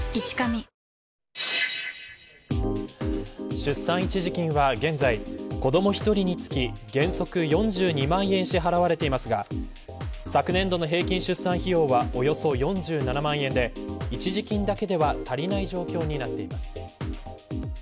出産一時金は現在子ども１人につき原則４２万円支払われていますが昨年度の平均出産費用はおよそ４７万円で一時金だけでは足りない状況になっています。